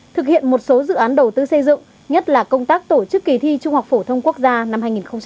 thực hiện một số dự án đầu tư xây dựng nhất là công tác tổ chức kỳ thi trung học phổ thông quốc gia năm hai nghìn một mươi chín